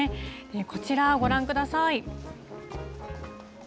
こちらご覧ください。